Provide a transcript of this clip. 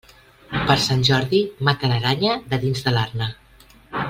Per Sant Jordi mata l'aranya de dins de l'arna.